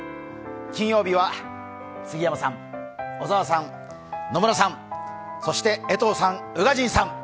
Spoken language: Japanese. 金曜日は杉山さん、小沢さん、野村さん、そして江藤さん、宇賀神さん。